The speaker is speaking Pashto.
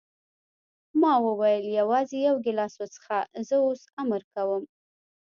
ما وویل: یوازې یو ګیلاس وڅښه، زه اوس امر کوم.